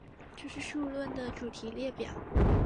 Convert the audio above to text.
这是数论的主题列表。